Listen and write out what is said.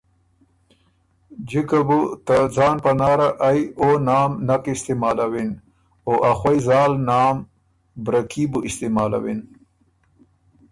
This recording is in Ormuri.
جِکه بُو ته ځان پناره ائ او نام نک استعمالَوِن او ا خوئ زال نام ”برکي“ بُو استعمالوِن۔